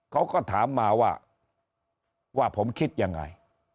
เขาก็ถามมาว่าว่าผมคิดยังไง